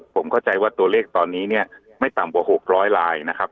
ผมเข้าใจว่าตัวเลขตอนนี้เนี่ยไม่ต่ำกว่า๖๐๐ลายนะครับ